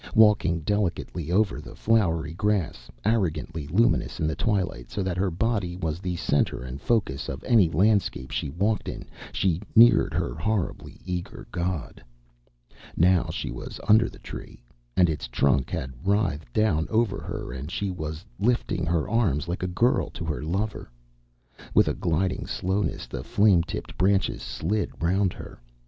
Walking delicately over the flowery grass, arrogantly luminous in the twilight, so that her body was the center and focus of any landscape she walked in, she neared her horribly eager god. Now she was under the Tree, and its trunk had writhed down over her and she was lifting her arms like a girl to her lover. With a gliding slowness the flame tipped branches slid round her.